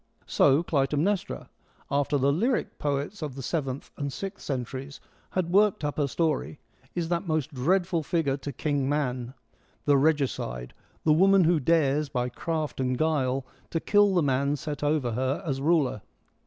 So Clytemnestra — after the lyric poets of the seventh and sixth centuries had worked up her story — is that most dreadful figure to King Man, the regicide, the woman who dares, by craft and guile, to kill the man set over her as ruler.